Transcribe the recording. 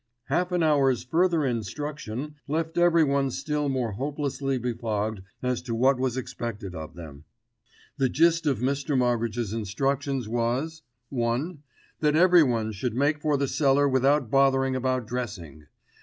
Half an hour's further "instruction" left everyone still more hopelessly befogged as to what was expected of them. The gist of Mr. Moggridge's instructions was: (1) That everyone should make for the cellar without bothering about dressing.